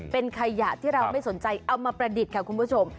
เป็นขยะที่เราไม่สนใจเอามาประดิษฐ์ค่ะคุณผู้ชม